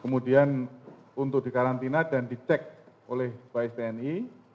kemudian untuk dikarantina dan dicek oleh baes pni